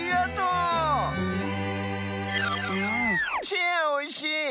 チェアおいしい！